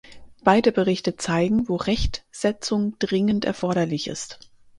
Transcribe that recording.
Beide Berichte zeigen, wo Rechtsetzung dringend erforderlich ist.